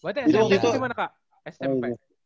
buatnya smp itu dimana kak smp